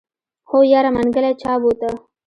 هو يره منګلی چا بوته.